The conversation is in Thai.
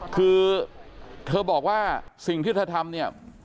คือเธอบอกว่าสิ่งที่เธอทำเนี่ย